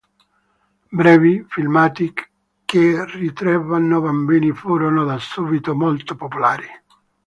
Brevi filmati che ritraevano bambini furono da subito molto popolari.